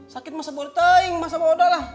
sakit masa boleh taing masa mau udah lah